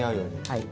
はい。